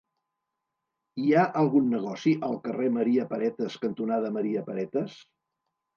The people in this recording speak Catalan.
Hi ha algun negoci al carrer Maria Paretas cantonada Maria Paretas?